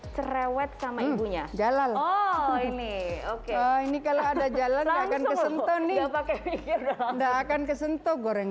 merewet sama ibunya jalal ini oke ini kalau ada jalan akan kesentuh nih enggak akan kesentuh goreng